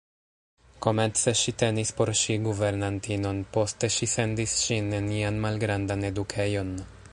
Komence ŝi tenis por ŝi guvernantinon, poste ŝi sendis ŝin en ian malgrandan edukejon.